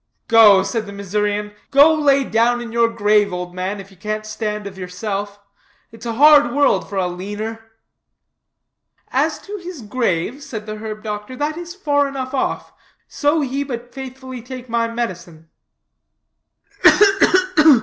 "Go," said the Missourian, "go lay down in your grave, old man, if you can't stand of yourself. It's a hard world for a leaner." "As to his grave," said the herb doctor, "that is far enough off, so he but faithfully take my medicine."